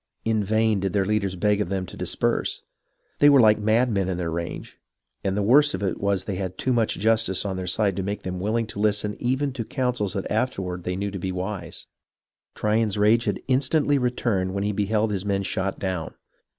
In vain did their leaders beg of them to disperse. They were hke madmen in their rage, and the worst of it was that they had too much justice on their side to make them willing to listen even to counsels that afterward they knew to be wise. Tryon's rage had instantly returned when he beheld his men shot down.